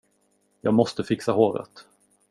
Jag måste fixa håret.